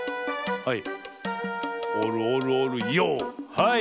はい。